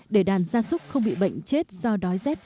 để đàn gia súc không bị bệnh chết do đói rét